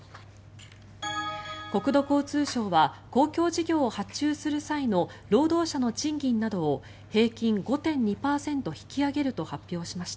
国土交通省は公共事業を発注する際の労働者の賃金などを平均５．２％引き上げると発表しました。